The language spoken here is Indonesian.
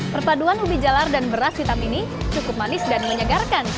perpaduan ubi jalar dan beras hitam ini cukup manis dan menyegarkan